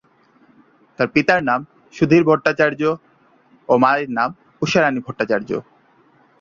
তার পিতার নাম সুধীর ভট্টাচার্য্য ও মায়ের নাম ঊষা রাণী ভট্টাচার্য্য।